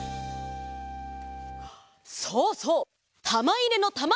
そうそう！たまいれのたま！